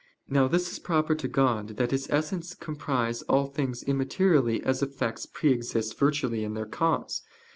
Now this is proper to God, that His Essence comprise all things immaterially as effects pre exist virtually in their cause.